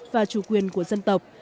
và chủ quyền của dân tộc